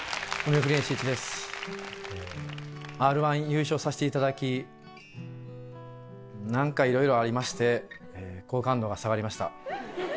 ええＲ−１優勝させていただき何かいろいろありまして好感度が下がりました。